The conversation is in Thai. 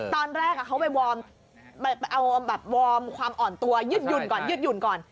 ตอนแรกเขาไปเอาอย่างแบบนี้มาอ่อนตัวยึดหยุ่น